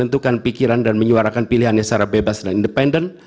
yang berbeda dengan pikiran dan menyuarakan pilihannya secara bebas dan independen